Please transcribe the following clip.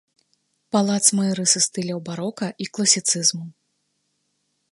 Палац мае рысы стыляў барока і класіцызму.